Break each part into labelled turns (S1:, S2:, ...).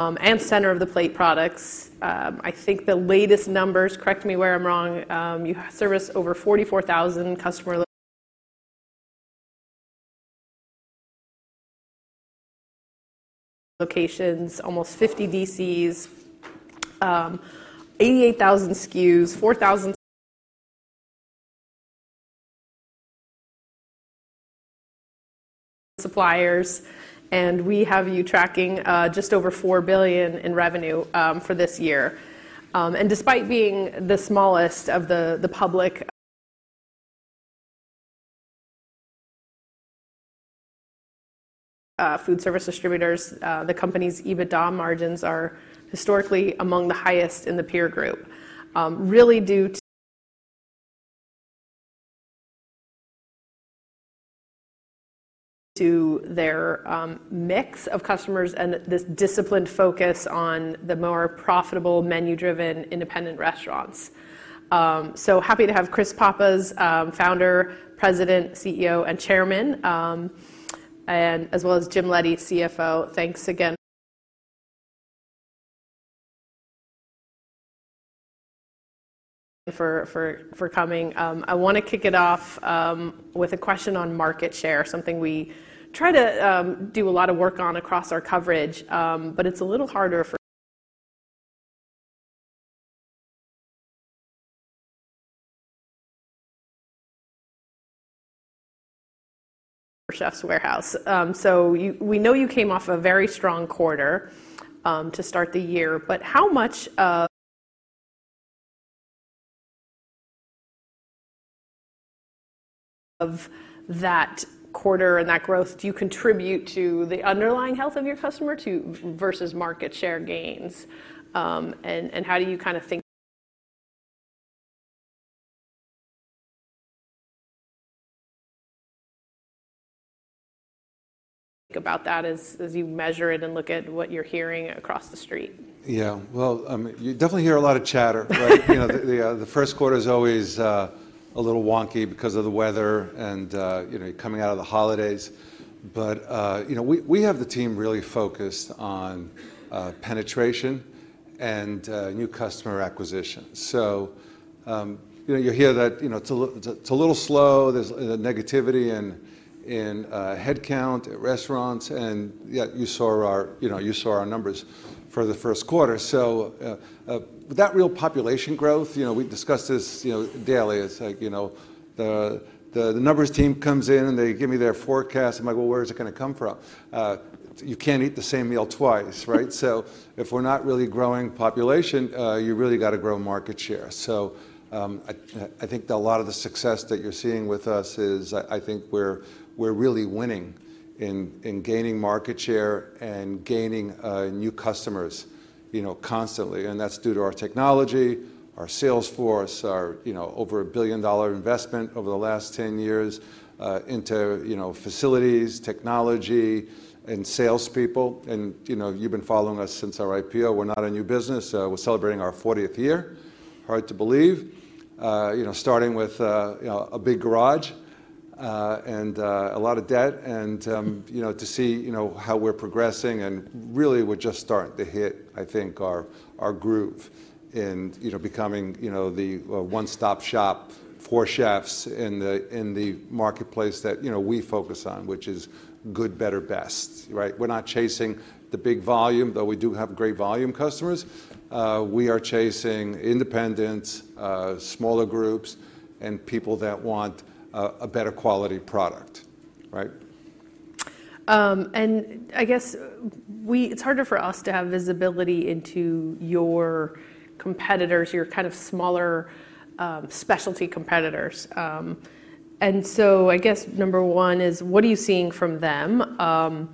S1: I am the center-of-the-plate products. I think the latest numbers—correct me where I'm wrong—you service over 44,000 customer locations, almost 50 DCs, 88,000 SKUs, 4,000 suppliers, and we have you tracking just over $4 billion in revenue for this year. Despite being the smallest of the public food service distributors, the company's EBITDA margins are historically among the highest in the peer group, really due to their mix of customers and this disciplined focus on the more profitable menu-driven independent restaurants. Happy to have Chris Pappas, founder, president, CEO, and chairman, as well as Jim Leddy, CFO. Thanks again for coming. I want to kick it off with a question on market share, something we try to do a lot of work on across our coverage, but it's a little harder for Chefs' Warehouse. We know you came off a very strong quarter to start the year, but how much of that quarter and that growth do you contribute to the underlying health of your customer versus market share gains, and how do you kind of think about that as you measure it and look at what you're hearing across the street?
S2: Yeah. You definitely hear a lot of chatter, right? The first quarter is always a little wonky because of the weather and coming out of the holidays. We have the team really focused on penetration and new customer acquisition. You hear that it's a little slow, there's negativity in headcount at restaurants, and yet you saw our numbers for the first quarter. That real population growth, we discuss this daily. It's like the numbers team comes in and they give me their forecast. I'm like, "Where is it going to come from?" You can't eat the same meal twice, right? If we're not really growing population, you really got to grow market share. I think a lot of the success that you're seeing with us is I think we're really winning in gaining market share and gaining new customers constantly. That is due to our technology, our sales force, our over $1 billion investment over the last 10 years into facilities, technology, and salespeople. You have been following us since our IPO. We are not a new business. We are celebrating our 40th year. Hard to believe. Starting with a big garage and a lot of debt and to see how we are progressing. Really, we are just starting to hit, I think, our groove in becoming the one-stop shop for chefs in the marketplace that we focus on, which is good, better, best, right? We are not chasing the big volume, though we do have great volume customers. We are chasing independents, smaller groups, and people that want a better quality product, right?
S1: I guess it's harder for us to have visibility into your competitors, your kind of smaller specialty competitors. I guess number one is, what are you seeing from them? How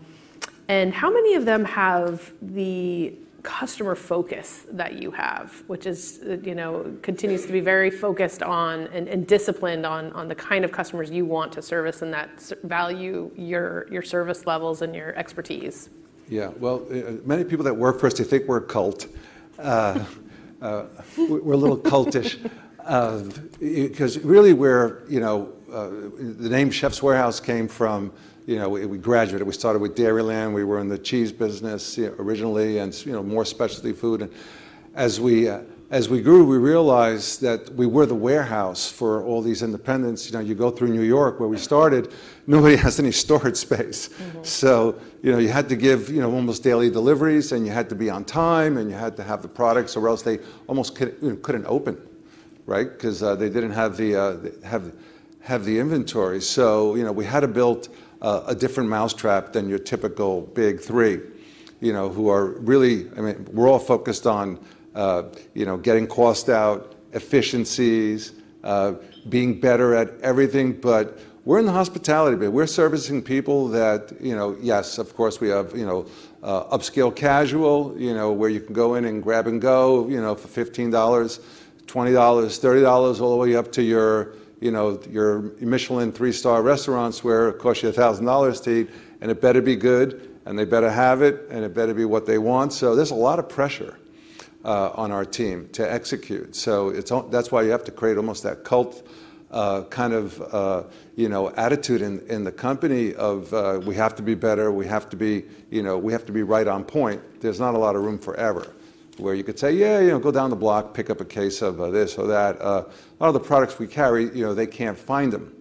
S1: many of them have the customer focus that you have, which continues to be very focused on and disciplined on the kind of customers you want to service and that value your service levels and your expertise?
S2: Yeah. Many people that work for us, they think we're a cult. We're a little cultish because really the name Chefs' Warehouse came from we graduated. We started with Dairyland. We were in the cheese business originally and more specialty food. As we grew, we realized that we were the warehouse for all these independents. You go through New York where we started, nobody has any storage space. You had to give almost daily deliveries, and you had to be on time, and you had to have the products or else they almost couldn't open, right, because they didn't have the inventory. We had to build a different mousetrap than your typical Big Three who are really, I mean, we're all focused on getting cost out, efficiencies, being better at everything. We're in the hospitality bit. We're servicing people that, yes, of course, we have upscale casual where you can go in and grab and go for $15, $20, $30, all the way up to your Michelin three-star restaurants where it costs you $1,000 to eat. It better be good, and they better have it, and it better be what they want. There is a lot of pressure on our team to execute. That is why you have to create almost that cult kind of attitude in the company of, "We have to be better. We have to be right on point." There is not a lot of room for error where you could say, "Yeah, go down the block, pick up a case of this or that." A lot of the products we carry, they cannot find them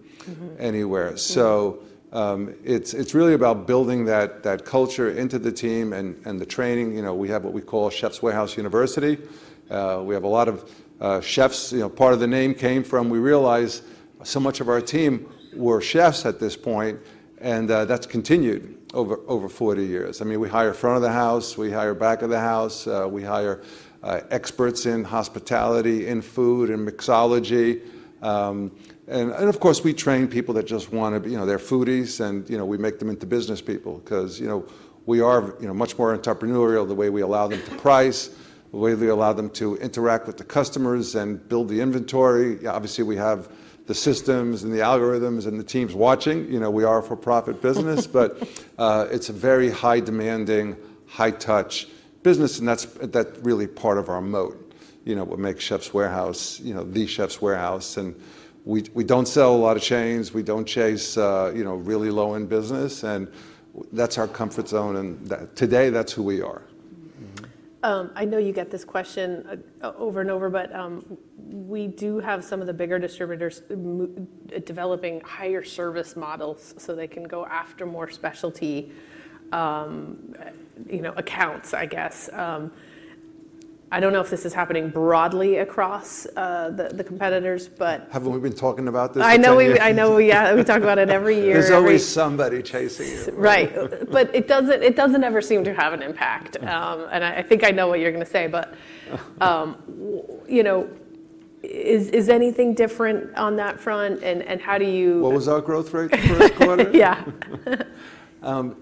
S2: anywhere. It is really about building that culture into the team and the training. We have what we call Chefs' Warehouse University. We have a lot of chefs. Part of the name came from we realized so much of our team were chefs at this point, and that's continued over 40 years. I mean, we hire front of the house. We hire back of the house. We hire experts in hospitality, in food, in mixology. Of course, we train people that just want to be, they're foodies, and we make them into business people because we are much more entrepreneurial the way we allow them to price, the way we allow them to interact with the customers and build the inventory. Obviously, we have the systems and the algorithms and the teams watching. We are a for-profit business, but it's a very high-demanding, high-touch business. That's really part of our moat, what makes Chefs' Warehouse, the Chefs' Warehouse. We do not sell a lot of chains. We do not chase really low-end business. That is our comfort zone. Today, that is who we are.
S1: I know you get this question over and over, but we do have some of the bigger distributors developing higher service models so they can go after more specialty accounts, I guess. I do not know if this is happening broadly across the competitors, but.
S2: Haven't we been talking about this?
S1: I know. Yeah. We talk about it every year.
S2: There's always somebody chasing you.
S1: Right. It does not ever seem to have an impact. I think I know what you are going to say, but is anything different on that front? How do you.
S2: What was our growth rate the first quarter?
S1: Yeah.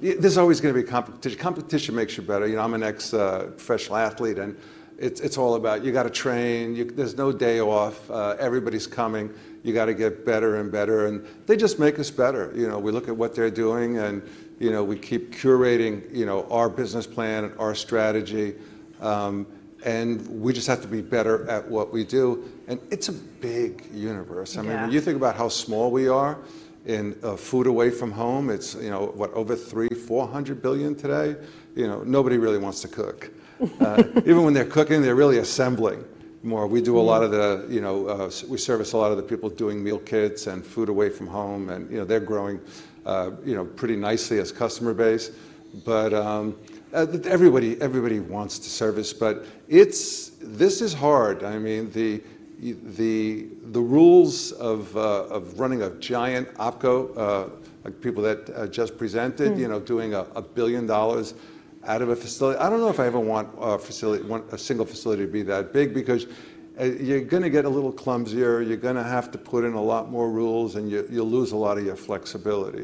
S2: There's always going to be competition. Competition makes you better. I'm an ex-professional athlete, and it's all about you got to train. There's no day off. Everybody's coming. You got to get better and better. They just make us better. We look at what they're doing, and we keep curating our business plan and our strategy. We just have to be better at what we do. It's a big universe. I mean, when you think about how small we are in food away from home, it's what, over $300 billion-$400 billion today? Nobody really wants to cook. Even when they're cooking, they're really assembling more. We do a lot of the—we service a lot of the people doing meal kits and food away from home. They're growing pretty nicely as customer base. Everybody wants to service. This is hard. I mean, the rules of running a giant opCo, like people that just presented, doing $1 billion out of a facility. I do not know if I ever want a single facility to be that big because you are going to get a little clumsier. You are going to have to put in a lot more rules, and you will lose a lot of your flexibility.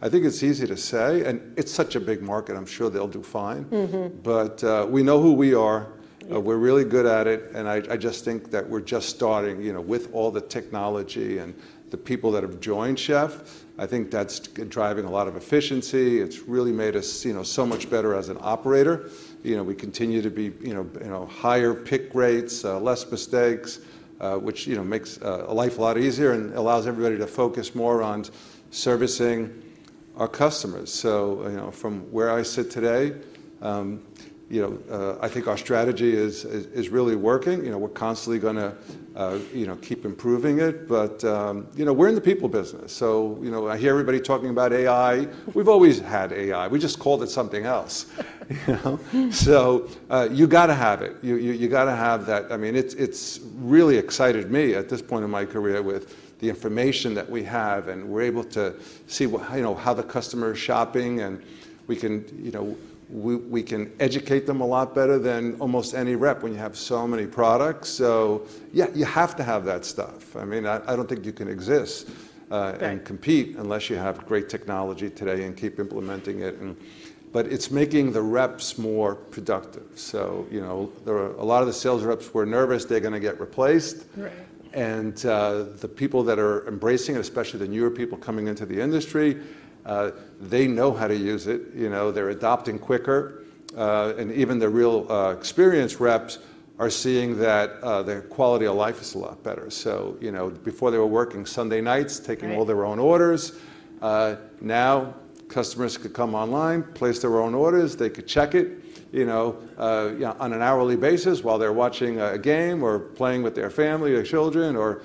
S2: I think it is easy to say. It is such a big market. I am sure they will do fine. We know who we are. We are really good at it. I just think that we are just starting with all the technology and the people that have joined Chef. I think that is driving a lot of efficiency. It has really made us so much better as an operator. We continue to be higher pick rates, less mistakes, which makes life a lot easier and allows everybody to focus more on servicing our customers. From where I sit today, I think our strategy is really working. We're constantly going to keep improving it. We're in the people business. I hear everybody talking about AI. We've always had AI. We just called it something else. You got to have it. You got to have that. I mean, it's really excited me at this point in my career with the information that we have. We're able to see how the customer is shopping. We can educate them a lot better than almost any rep when you have so many products. You have to have that stuff. I mean, I do not think you can exist and compete unless you have great technology today and keep implementing it. It is making the reps more productive. A lot of the sales reps were nervous they are going to get replaced. The people that are embracing it, especially the newer people coming into the industry, they know how to use it. They are adopting quicker. Even the real experienced reps are seeing that their quality of life is a lot better. Before, they were working Sunday nights, taking all their own orders. Now customers could come online, place their own orders. They could check it on an hourly basis while they are watching a game or playing with their family or children or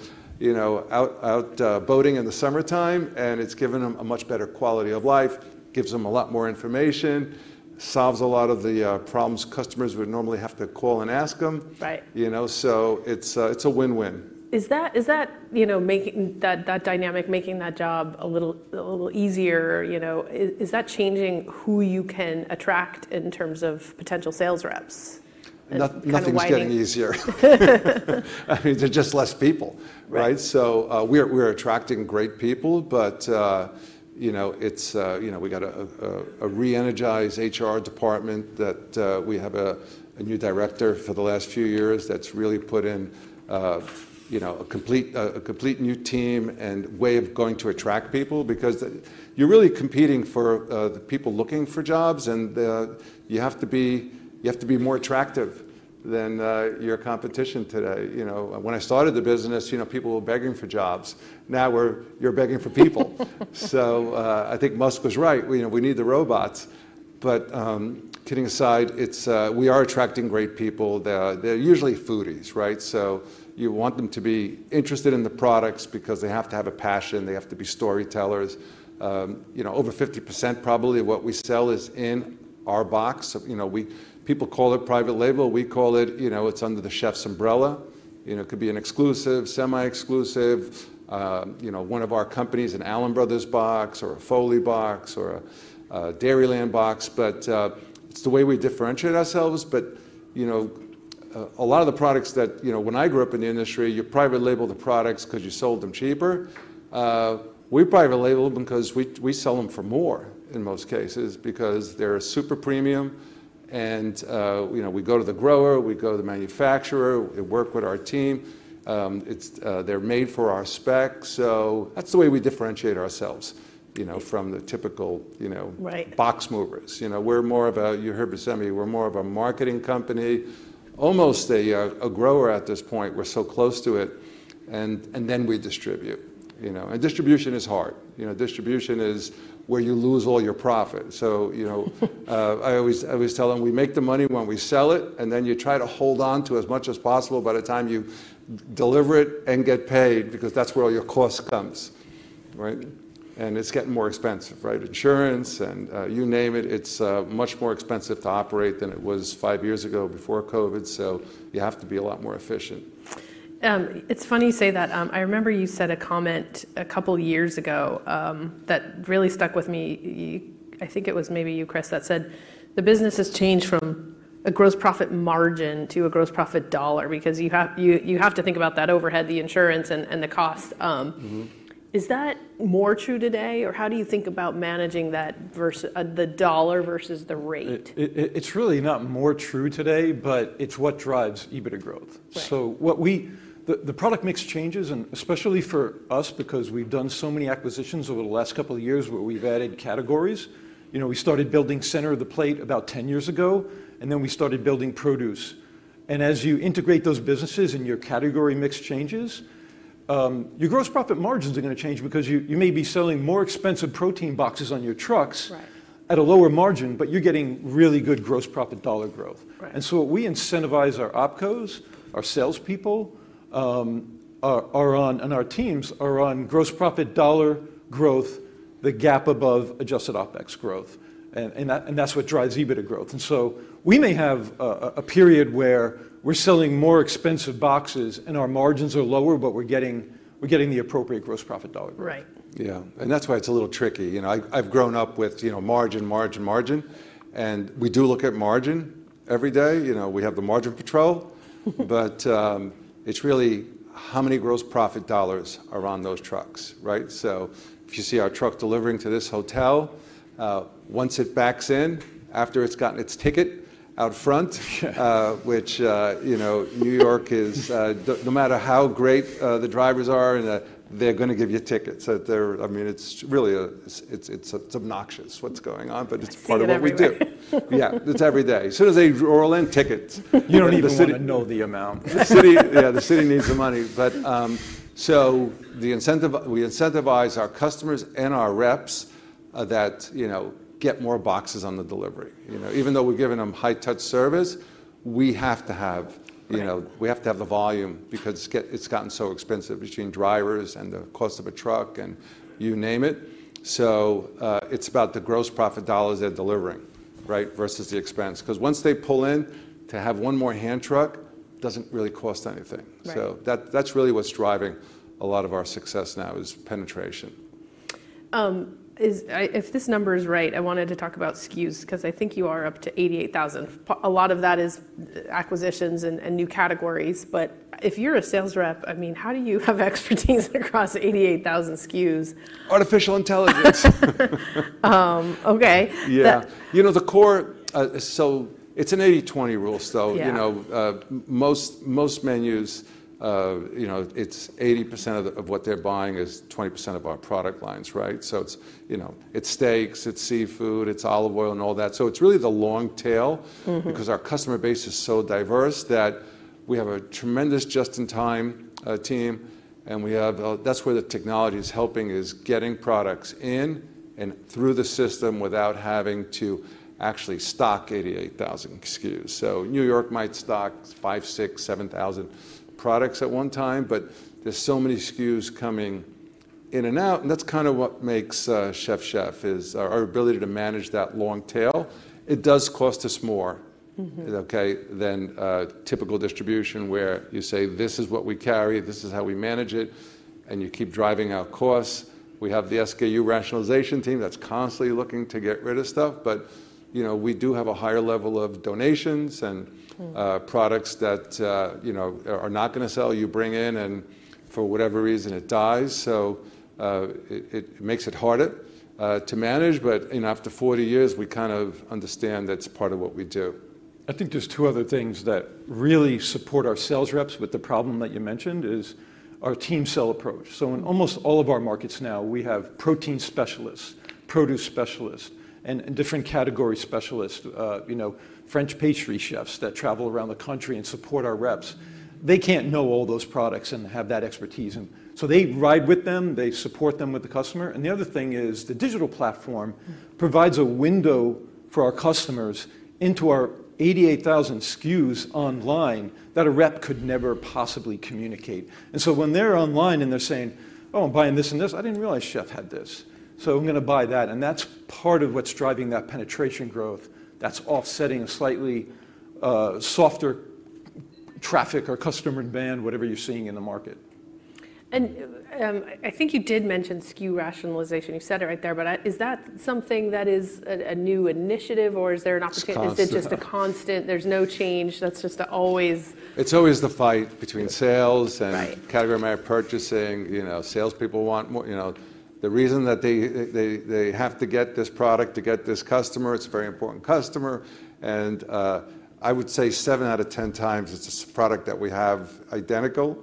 S2: out boating in the summertime. It has given them a much better quality of life, gives them a lot more information, solves a lot of the problems customers would normally have to call and ask them. It is a win-win.
S1: Is that making that dynamic, making that job a little easier? Is that changing who you can attract in terms of potential sales reps?
S2: Nothing's getting easier. I mean, there's just less people, right? So we're attracting great people, but we got a re-energized HR department that we have a new director for the last few years that's really put in a complete new team and way of going to attract people because you're really competing for the people looking for jobs. You have to be more attractive than your competition today. When I started the business, people were begging for jobs. Now you're begging for people. I think Musk was right. We need the robots. Kidding aside, we are attracting great people. They're usually foodies, right? You want them to be interested in the products because they have to have a passion. They have to be storytellers. Over 50% probably of what we sell is in our box. People call it private label. We call it, it's under the Chefs' umbrella. It could be an exclusive, semi-exclusive, one of our companies, an Allen Brothers box or a Foley box or a Dairyland box. It is the way we differentiate ourselves. A lot of the products that, when I grew up in the industry, you private label the products because you sold them cheaper. We private label them because we sell them for more in most cases because they're super premium. We go to the grower. We go to the manufacturer. They work with our team. They're made for our spec. That is the way we differentiate ourselves from the typical box movers. We're more of a, you heard me say, we're more of a marketing company, almost a grower at this point. We're so close to it. We distribute. Distribution is hard. Distribution is where you lose all your profit. I always tell them, we make the money when we sell it. You try to hold on to as much as possible by the time you deliver it and get paid because that's where all your cost comes, right? It's getting more expensive, right? Insurance and you name it. It's much more expensive to operate than it was five years ago before COVID. You have to be a lot more efficient.
S1: It's funny you say that. I remember you said a comment a couple of years ago that really stuck with me. I think it was maybe you, Chris, that said, "The business has changed from a gross profit margin to a gross profit dollar because you have to think about that overhead, the insurance, and the cost." Is that more true today? Or how do you think about managing that versus the dollar versus the rate?
S2: It's really not more true today, but it's what drives EBITDA growth. The product mix changes, and especially for us because we've done so many acquisitions over the last couple of years where we've added categories. We started building center-of-the-plate about 10 years ago, and then we started building produce. As you integrate those businesses and your category mix changes, your gross profit margins are going to change because you may be selling more expensive protein boxes on your trucks at a lower margin, but you're getting really good gross profit dollar growth. We incentivize our opCos, our salespeople, and our teams on gross profit dollar growth, the gap above adjusted OpEx growth. That's what drives EBITDA growth. We may have a period where we're selling more expensive boxes and our margins are lower, but we're getting the appropriate gross profit dollar growth.
S1: Right.
S2: Yeah. That's why it's a little tricky. I've grown up with margin, margin, margin. We do look at margin every day. We have the margin patrol. It's really how many gross profit dollars are on those trucks, right? If you see our truck delivering to this hotel, once it backs in, after it's gotten its ticket out front, which in New York is no matter how great the drivers are, they're going to give you tickets. I mean, it's really obnoxious what's going on, but it's part of what we do. Yeah. It's every day. As soon as they roll in, tickets, you don't even know the city.
S3: You don't even know the amount.
S2: Yeah. The city needs the money. So we incentivize our customers and our reps that get more boxes on the delivery. Even though we've given them high-touch service, we have to have the volume because it's gotten so expensive between drivers and the cost of a truck and you name it. It's about the gross profit dollars they're delivering, right, versus the expense. Because once they pull in to have one more hand truck, it doesn't really cost anything. That's really what's driving a lot of our success now is penetration.
S1: If this number is right, I wanted to talk about SKUs because I think you are up to 88,000. A lot of that is acquisitions and new categories. But if you're a sales rep, I mean, how do you have expertise across 88,000 SKUs?
S2: Artificial intelligence.
S1: Okay.
S2: Yeah. You know the core, so it's an 80/20 rule, so most menus, it's 80% of what they're buying is 20% of our product lines, right? It's steaks, it's seafood, it's olive oil, and all that. It's really the long tail because our customer base is so diverse that we have a tremendous just-in-time team. That's where the technology is helping, is getting products in and through the system without having to actually stock 88,000 SKUs. New York might stock 5,000, 6,000, 7,000 products at one time, but there's so many SKUs coming in and out. That's kind of what makes Chefs' Chefs is our ability to manage that long tail. It does cost us more, okay, than typical distribution where you say, "This is what we carry. This is how we manage it." You keep driving our costs. We have the SKU rationalization team that's constantly looking to get rid of stuff. We do have a higher level of donations and products that are not going to sell. You bring in, and for whatever reason, it dies. It makes it harder to manage. After 40 years, we kind of understand that's part of what we do. I think there's two other things that really support our sales reps with the problem that you mentioned is our team sale approach. In almost all of our markets now, we have protein specialists, produce specialists, and different category specialists, French pastry chefs that travel around the country and support our reps. They can't know all those products and have that expertise. They ride with them. They support them with the customer. The other thing is the digital platform provides a window for our customers into our 88,000 SKUs online that a rep could never possibly communicate. When they're online and they're saying, "Oh, I'm buying this and this, I didn't realize Chef had this. I'm going to buy that." That's part of what's driving that penetration growth. That's offsetting a slightly softer traffic or customer demand, whatever you're seeing in the market.
S1: I think you did mention SKU rationalization. You said it right there. Is that something that is a new initiative, or is there an opportunity? Is it just a constant? There is no change. That is just always.
S2: It's always the fight between sales and category manager purchasing. Salespeople want more. The reason that they have to get this product to get this customer, it's a very important customer. I would say seven out of 10 times, it's a product that we have identical,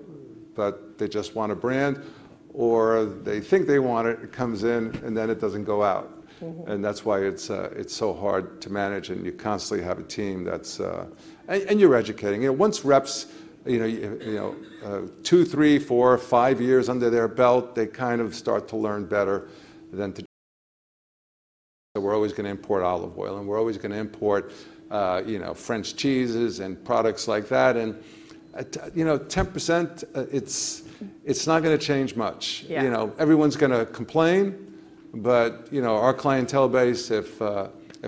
S2: but they just want a brand. Or they think they want it. It comes in, and then it doesn't go out. That's why it's so hard to manage. You constantly have a team that's, and you're educating. Once reps, two, three, four, five years under their belt, they kind of start to learn better. We're always going to import olive oil, and we're always going to import French cheeses and products like that. 10%, it's not going to change much. Everyone's going to complain. Our clientele base, if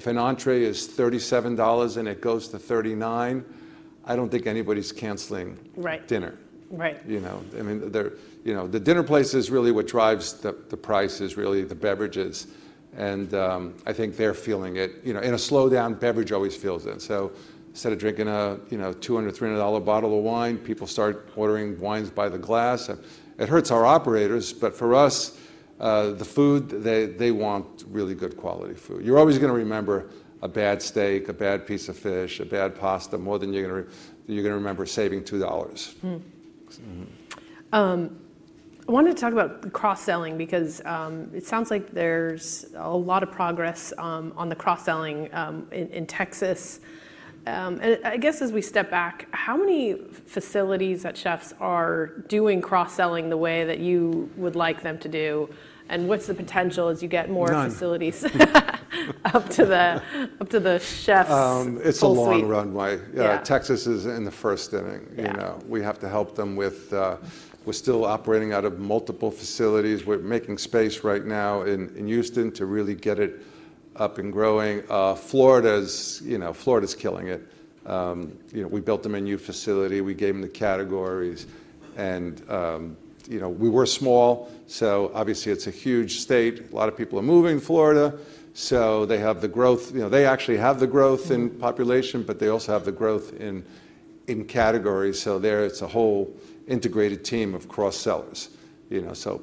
S2: an entree is $37 and it goes to $39, I do not think anybody is canceling dinner. I mean, the dinner place is really what drives the prices, really, the beverages. I think they are feeling it. A slowed-down beverage always feels it. Instead of drinking a $200-$300 bottle of wine, people start ordering wines by the glass. It hurts our operators. For us, the food, they want really good quality food. You are always going to remember a bad steak, a bad piece of fish, a bad pasta more than you are going to remember saving $2.
S1: I wanted to talk about cross-selling because it sounds like there's a lot of progress on the cross-selling in Texas. I guess as we step back, how many facilities that Chefs' Warehouse are doing cross-selling the way that you would like them to do? What's the potential as you get more facilities up to the Chefs' Warehouse offering? It's a long runway. Texas is in the first inning. We have to help them with we're still operating out of multiple facilities. We're making space right now in Houston to really get it up and growing. Florida's killing it. We built them a new facility. We gave them the categories. And we were small. Obviously, it's a huge state. A lot of people are moving to Florida. They have the growth. They actually have the growth in population, but they also have the growth in categories. There it's a whole integrated team of cross-sellers.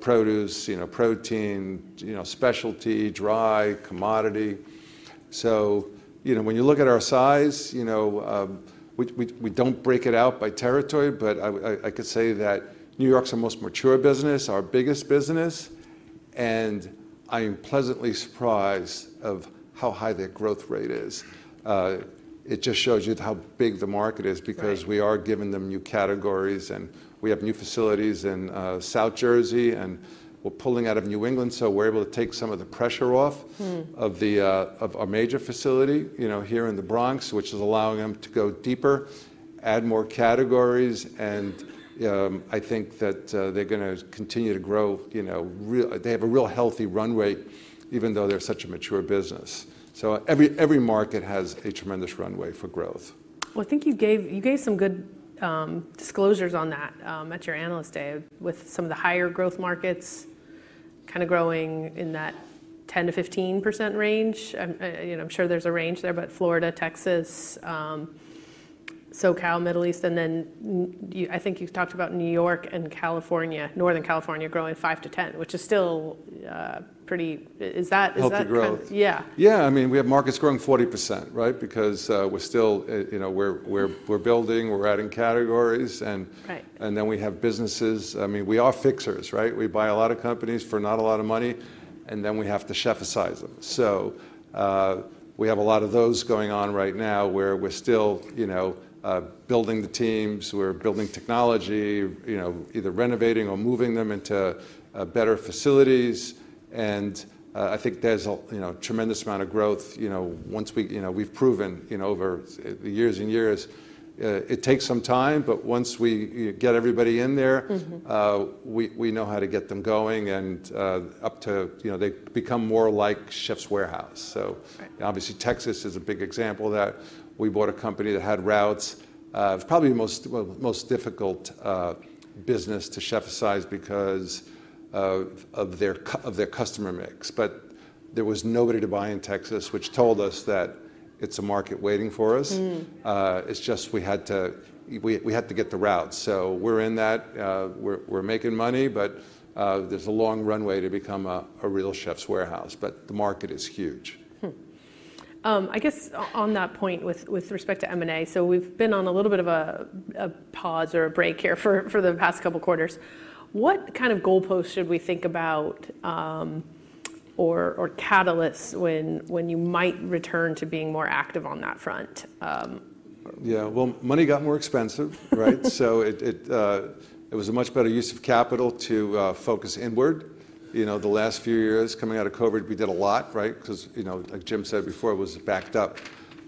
S1: Produce, protein, specialty, dry, commodity. When you look at our size, we don't break it out by territory. I could say that New York's our most mature business, our biggest business. I am pleasantly surprised of how high their growth rate is. It just shows you how big the market is because we are giving them new categories. We have new facilities in South Jersey. We are pulling out of New England. We are able to take some of the pressure off of our major facility here in the Bronx, which is allowing them to go deeper, add more categories. I think that they are going to continue to grow. They have a real healthy runway, even though they are such a mature business. Every market has a tremendous runway for growth. I think you gave some good disclosures on that at your analyst day with some of the higher growth markets kind of growing in that 10%-15% range. I'm sure there's a range there, but Florida, Texas, SoCal, Middle East. I think you talked about New York and California, Northern California growing 5%-10%, which is still pretty.
S2: Healthy growth.
S1: Yeah.
S2: Yeah. I mean, we have markets growing 40%, right, because we're still, we're building. We're adding categories. And then we have businesses. I mean, we are fixers, right? We buy a lot of companies for not a lot of money. And then we have to Chefs-ize them. So we have a lot of those going on right now where we're still building the teams. We're building technology, either renovating or moving them into better facilities. I think there's a tremendous amount of growth. Once we've proven over the years and years, it takes some time. But once we get everybody in there, we know how to get them going. Up to they become more like Chefs' Warehouse. Obviously, Texas is a big example of that. We bought a company that had routes. It's probably the most difficult business to Chefs-ize because of their customer mix. There was nobody to buy in Texas, which told us that it's a market waiting for us. It's just we had to get the routes. We are in that. We are making money. There is a long runway to become a real Chefs' Warehouse. The market is huge.
S1: I guess on that point with respect to M&A, we've been on a little bit of a pause or a break here for the past couple of quarters. What kind of goalposts should we think about or catalysts when you might return to being more active on that front?
S2: Yeah. Money got more expensive, right? It was a much better use of capital to focus inward. The last few years coming out of COVID, we did a lot, right? Because like Jim said before, it was backed up.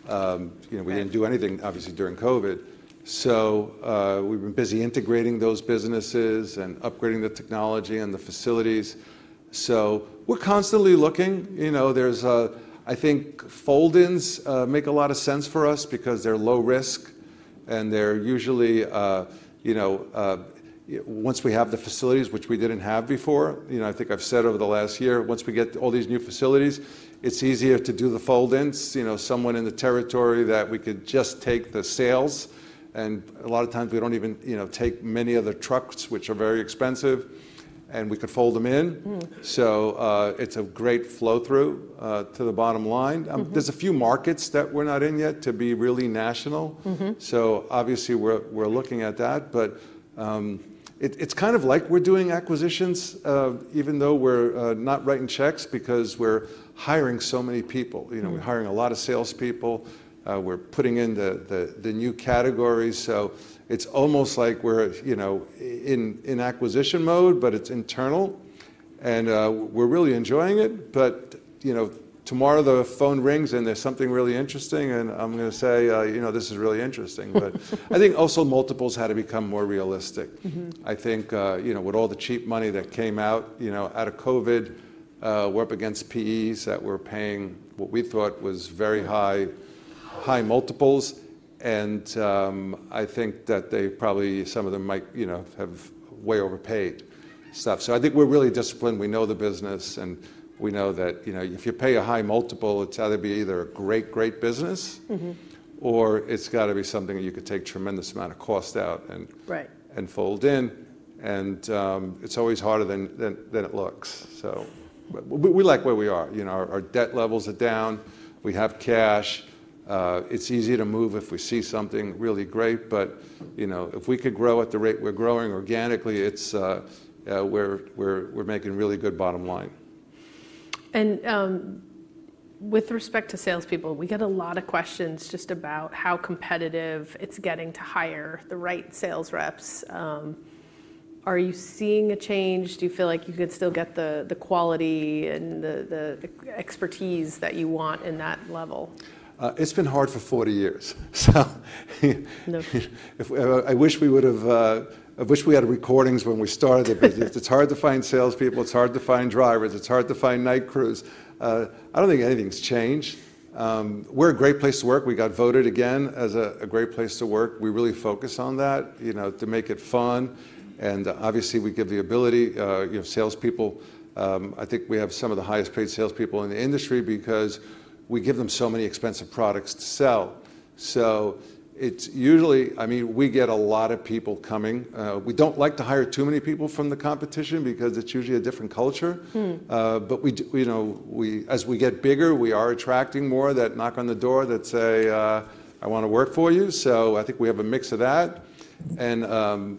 S2: We did not do anything, obviously, during COVID. We have been busy integrating those businesses and upgrading the technology and the facilities. We are constantly looking. I think fold-ins make a lot of sense for us because they are low risk. They are usually once we have the facilities, which we did not have before, I think I have said over the last year, once we get all these new facilities, it is easier to do the fold-ins, someone in the territory that we could just take the sales. A lot of times, we do not even take many of the trucks, which are very expensive, and we could fold them in. It's a great flow-through to the bottom line. There's a few markets that we're not in yet to be really national. Obviously, we're looking at that. It's kind of like we're doing acquisitions, even though we're not writing checks because we're hiring so many people. We're hiring a lot of salespeople. We're putting in the new categories. It's almost like we're in acquisition mode, but it's internal. We're really enjoying it. Tomorrow, the phone rings, and there's something really interesting. I'm going to say, "This is really interesting." I think also multiples had to become more realistic. I think with all the cheap money that came out of COVID, we're up against PEs that were paying what we thought was very high multiples. I think that they probably, some of them, might have way overpaid stuff. I think we're really disciplined. We know the business. We know that if you pay a high multiple, it's either a great, great business, or it's got to be something that you could take a tremendous amount of cost out and fold in. It's always harder than it looks. We like where we are. Our debt levels are down. We have cash. It's easy to move if we see something really great. If we could grow at the rate we're growing organically, we're making really good bottom line.
S1: With respect to salespeople, we get a lot of questions just about how competitive it's getting to hire the right sales reps. Are you seeing a change? Do you feel like you could still get the quality and the expertise that you want in that level?
S2: It's been hard for 40 years. I wish we would have, I wish we had recordings when we started. It's hard to find salespeople. It's hard to find drivers. It's hard to find night crews. I don't think anything's changed. We're a great place to work. We got voted again as a great place to work. We really focus on that to make it fun. Obviously, we give the ability. Salespeople, I think we have some of the highest-paid salespeople in the industry because we give them so many expensive products to sell. It's usually, I mean, we get a lot of people coming. We don't like to hire too many people from the competition because it's usually a different culture. As we get bigger, we are attracting more that knock on the door that say, "I want to work for you." I think we have a mix of that.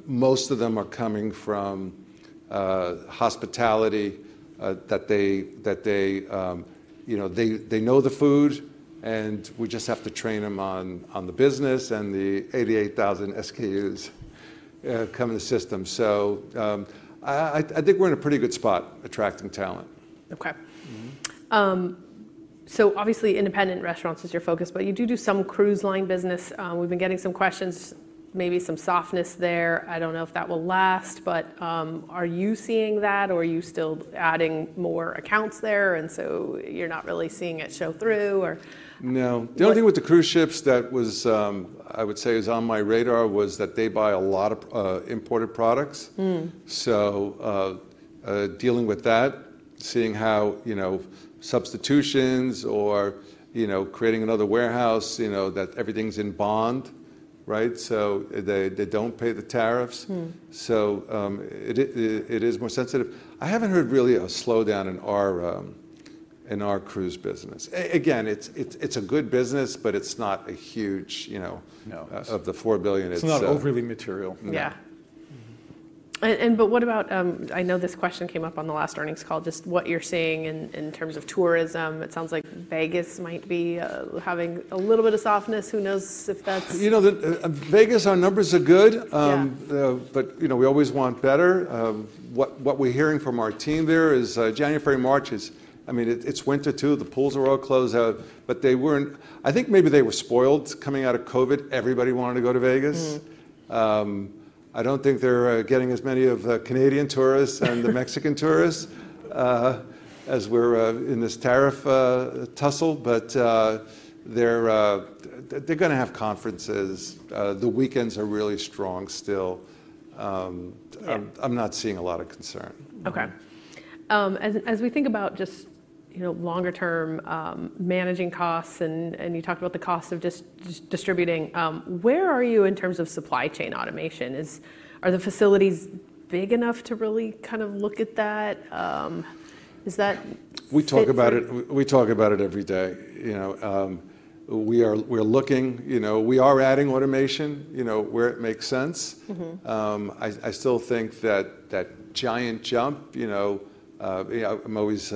S2: Most of them are coming from hospitality that they know the food. We just have to train them on the business and the 88,000 SKUs coming into the system. I think we're in a pretty good spot attracting talent.
S1: Okay. Obviously, independent restaurants is your focus. You do do some cruise line business. We've been getting some questions, maybe some softness there. I don't know if that will last. Are you seeing that, or are you still adding more accounts there? You're not really seeing it show through, or?
S2: No. The only thing with the cruise ships that I would say is on my radar was that they buy a lot of imported products. So dealing with that, seeing how substitutions or creating another warehouse, that everything's in bond, right? So they do not pay the tariffs. So it is more sensitive. I have not heard really a slowdown in our cruise business. Again, it is a good business, but it is not a huge part of the $4 billion itself.
S3: It's not overly material.
S1: Yeah. But what about, I know this question came up on the last earnings call, just what you're seeing in terms of tourism. It sounds like Vegas might be having a little bit of softness. Who knows if that's?
S2: You know, Vegas, our numbers are good. But we always want better. What we're hearing from our team there is January and March is, I mean, it's winter too. The pools are all closed out. But I think maybe they were spoiled coming out of COVID. Everybody wanted to go to Vegas. I don't think they're getting as many of the Canadian tourists and the Mexican tourists as we're in this tariff tussle. But they're going to have conferences. The weekends are really strong still. I'm not seeing a lot of concern.
S1: Okay. As we think about just longer-term managing costs, and you talked about the cost of just distributing, where are you in terms of supply chain automation? Are the facilities big enough to really kind of look at that? Is that?
S2: We talk about it. We talk about it every day. We are looking. We are adding automation where it makes sense. I still think that giant jump I'm always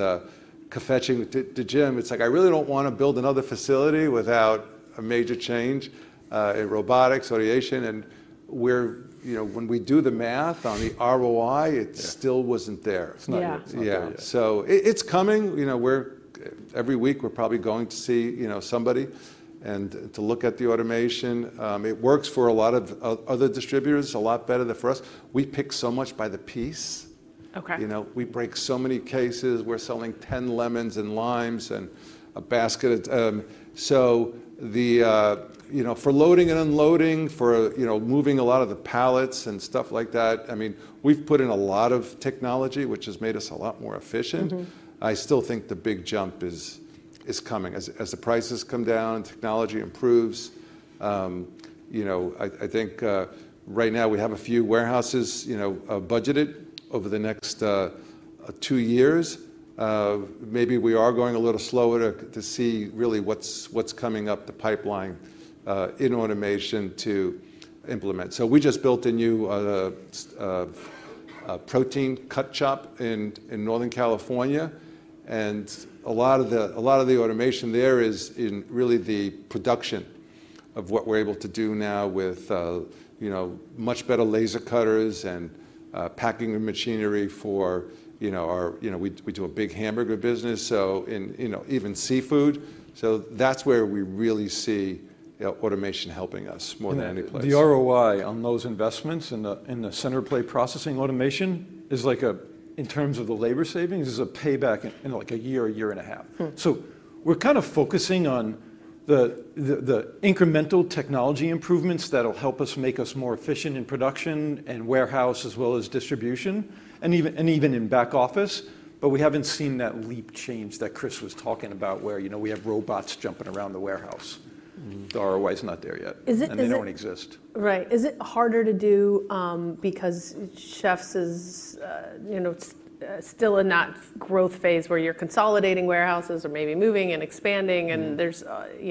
S2: confessing to Jim. It's like, I really don't want to build another facility without a major change in robotics, automation. When we do the math on the ROI, it still wasn't there.
S1: Yeah.
S2: Yeah. So it's coming. Every week, we're probably going to see somebody to look at the automation. It works for a lot of other distributors a lot better than for us. We pick so much by the piece. We break so many cases. We're selling 10 lemons and limes and a basket. For loading and unloading, for moving a lot of the pallets and stuff like that, I mean, we've put in a lot of technology, which has made us a lot more efficient. I still think the big jump is coming as the prices come down, technology improves. I think right now, we have a few warehouses budgeted over the next two years. Maybe we are going a little slower to see really what's coming up the pipeline in automation to implement. We just built a new protein cut shop in Northern California. A lot of the automation there is in really the production of what we're able to do now with much better laser cutters and packing machinery for our, we do a big hamburger business, so even seafood. That's where we really see automation helping us more than any place.
S3: The ROI on those investments in the center-of-the-plate processing automation is like, in terms of the labor savings, is a payback in like a year, a year and a half. We are kind of focusing on the incremental technology improvements that will help us make us more efficient in production and warehouse, as well as distribution, and even in back office. We have not seen that leap change that Chris was talking about where we have robots jumping around the warehouse. The ROI is not there yet. They do not exist.
S1: Right. Is it harder to do because Chefs' is still in that growth phase where you're consolidating warehouses or maybe moving and expanding? You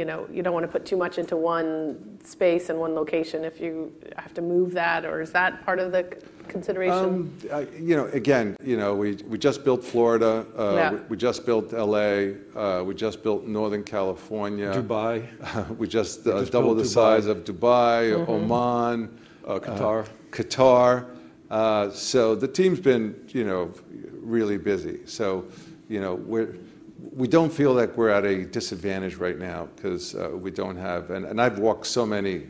S1: don't want to put too much into one space and one location if you have to move that, or is that part of the consideration?
S2: Again, we just built Florida. We just built L.A. We just built Northern California.
S3: Dubai.
S2: We just doubled the size of Dubai, Oman.
S3: Qatar.
S2: Qatar. The team's been really busy. We don't feel like we're at a disadvantage right now because we don't have, and I've walked so many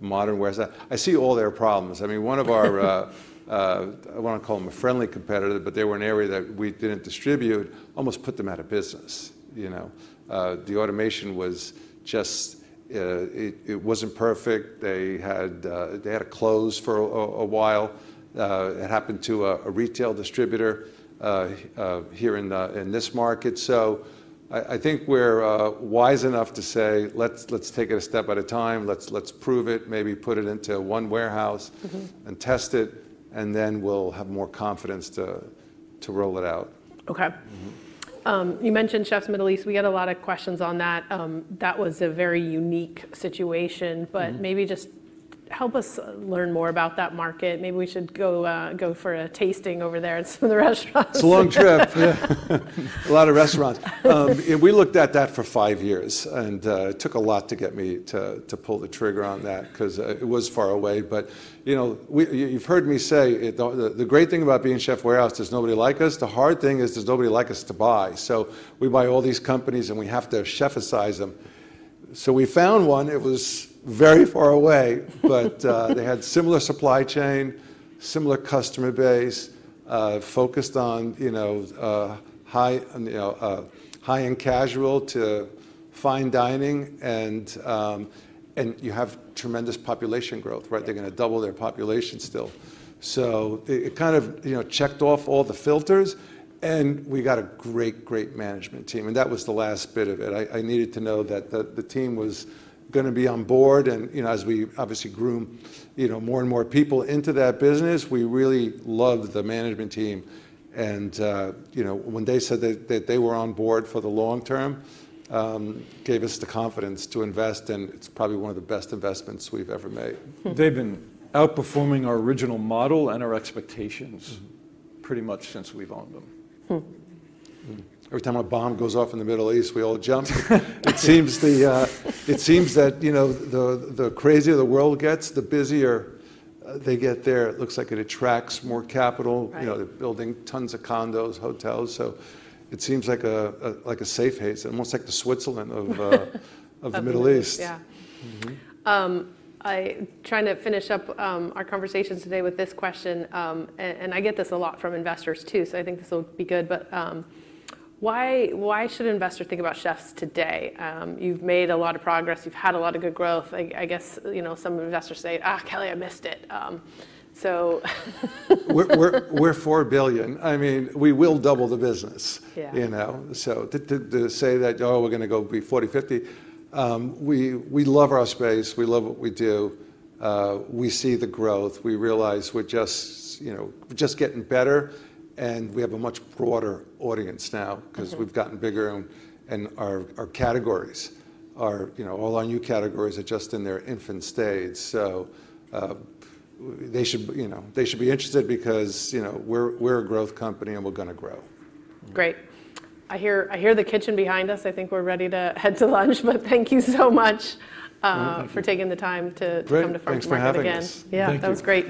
S2: modern warehouses. I see all their problems. I mean, one of our, I want to call them a friendly competitor, but they were in an area that we didn't distribute, almost put them out of business. The automation was just, it wasn't perfect. They had to close for a while. It happened to a retail distributor here in this market. I think we're wise enough to say, let's take it a step at a time. Let's prove it, maybe put it into one warehouse and test it. Then we'll have more confidence to roll it out.
S1: Okay. You mentioned Chefs' Middle East. We had a lot of questions on that. That was a very unique situation. Maybe just help us learn more about that market. Maybe we should go for a tasting over there at some of the restaurants.
S2: It's a long trip. A lot of restaurants. We looked at that for five years. It took a lot to get me to pull the trigger on that because it was far away. You've heard me say the great thing about being Chefs' Warehouse, there's nobody like us. The hard thing is there's nobody like us to buy. We buy all these companies, and we have to Chefs'ize them. We found one. It was very far away. They had similar supply chain, similar customer base, focused on high-end casual to fine dining. You have tremendous population growth, right? They're going to double their population still. It kind of checked off all the filters. We got a great, great management team. That was the last bit of it. I needed to know that the team was going to be on board. As we obviously groom more and more people into that business, we really loved the management team. When they said that they were on board for the long term, it gave us the confidence to invest. It is probably one of the best investments we've ever made.
S3: They've been outperforming our original model and our expectations pretty much since we've owned them.
S2: Every time a bomb goes off in the Middle East, we all jump. It seems that the crazier the world gets, the busier they get there. It looks like it attracts more capital. They're building tons of condos, hotels. It seems like a safe haven, almost like the Switzerland of the Middle East.
S1: Yeah. I'm trying to finish up our conversations today with this question. And I get this a lot from investors, too. So I think this will be good. But why should an investor think about Chefs' today? You've made a lot of progress. You've had a lot of good growth. I guess some investors say, Kelly, I missed it." So.
S2: We're $4 billion. I mean, we will double the business. To say that, oh, we're going to go be $40 billion-$50 billion, we love our space. We love what we do. We see the growth. We realize we're just getting better. We have a much broader audience now because we've gotten bigger. Our categories, all our new categories are just in their infant stage. They should be interested because we're a growth company, and we're going to grow.
S1: Great. I hear the kitchen behind us. I think we're ready to head to lunch. Thank you so much for taking the time to come to Frankfurt.
S2: Thanks for having us.
S1: Yeah. That was great.